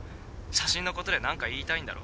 写真のことでなんか言いたいんだろ？